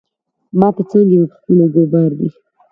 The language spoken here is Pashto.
ماتي څانګي مي په خپلو اوږو بار دي